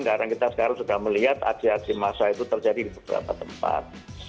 karena kita sekarang sudah melihat aksi aksi massa itu terjadi di beberapa tempat